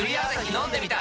飲んでみた！